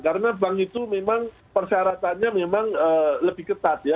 karena bank itu memang persyaratannya memang lebih ketat ya